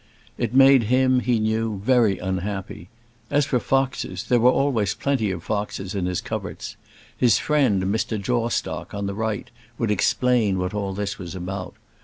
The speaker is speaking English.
It made him, he knew, very unhappy. As for foxes, there were always plenty of foxes in his coverts. His friend Mr. Jawstock, on the right, would explain what all this was about.